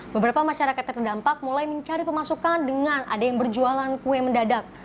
beberapa masyarakat terdampak mulai mencari pemasukan dengan ada yang berjualan kue mendadak